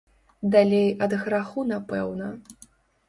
Далей ад граху, напэўна.